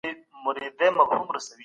کله به حکومت تړون په رسمي ډول وڅیړي؟